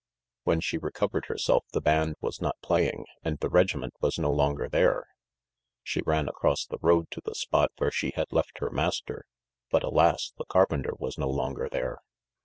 When she recovered herself, the band was not playing and the regiment was no longer there. She ran across the road to the spot where she had left her master, but alas, the carpenter was no longer there.